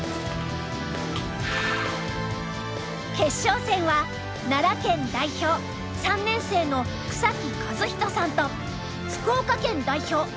決勝戦は奈良県代表３年生の草木和仁さんと福岡県代表